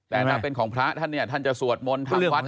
แต่ถ้าเป็นของพระท่านเนี่ยท่านจะสวดมนต์ทางวัด